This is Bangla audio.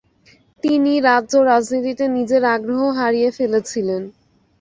তিনি রাজ্য রাজনীতিতে নিজের আগ্রহ হারিয়ে ফেলেছিলেন।